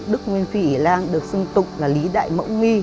đức nguyên phi ỉ lan được xưng tục là lý đại mẫu nghi